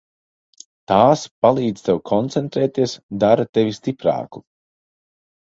Tās palīdz tev koncentrēties, dara tevi stiprāku.